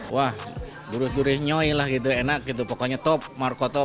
wah gurih gurih nyoi lah gitu enak gitu pokoknya top markotop